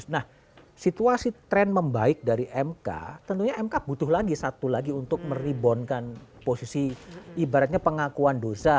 nah situasi tren membaik dari mk tentunya mk butuh lagi satu lagi untuk merebonkan posisi ibaratnya pengakuan dosa